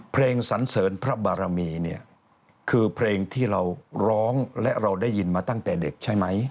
สันเสริญพระบารมีเนี่ยคือเพลงที่เราร้องและเราได้ยินมาตั้งแต่เด็กใช่ไหม